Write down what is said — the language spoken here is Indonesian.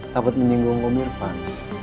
takut menyinggung om irfan